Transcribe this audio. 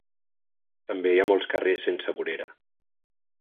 També hi ha molts carrers sense vorera.